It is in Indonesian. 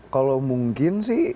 kalau mungkin sih